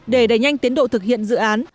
để đẩy nhanh tiến độ thực hiện dự án